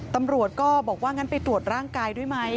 ตำรวจก็บอกว่างั้นไปตรวจร่างกายด้วยไหม